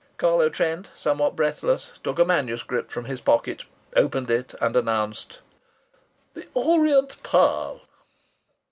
Carlo Trent, somewhat breathless, took a manuscript from his pocket, opened it, and announced: "The Orient Pearl."